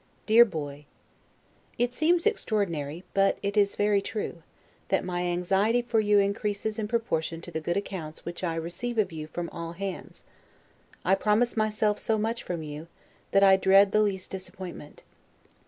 DEAR BOY: It seems extraordinary, but it is very true, that my anxiety for you increases in proportion to the good accounts which I receive of you from all hands. I promise myself so much from you, that I dread the least disappointment.